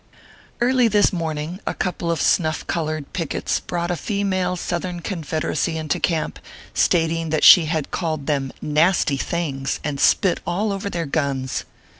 Early this morning a couple of snuff colored pickets brought a female Southern Confederacy into camp, stating that she had called them nasty things and spit all over their guns.